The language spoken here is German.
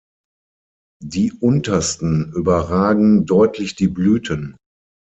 Die untersten überragen deutlich die Blüten.